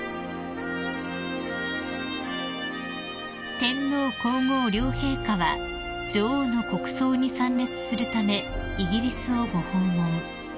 ［天皇皇后両陛下は女王の国葬に参列するためイギリスをご訪問］